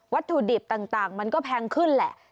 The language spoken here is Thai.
ถุดิบต่างมันก็แพงขึ้นแหละ